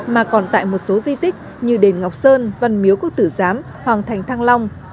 mà còn tại một số di tích như đền ngọc sơn văn miếu quốc tử giám hoàng thành thăng long